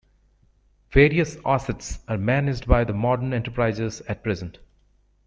Various assets are managed by the modern enterprises at present.